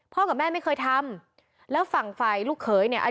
พ่อกับแม่ไม่เคยทำแล้วฝั่งไฟลูกเขยเนี้ย